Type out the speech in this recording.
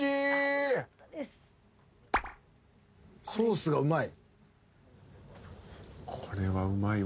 ソースがうまい？